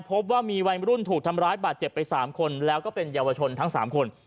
พบว่ามีวัยรุ่นถูกทำร้ายบาดเจ็บไป๓คนแล้วก็เป็นเยาวชนทั้ง๓คน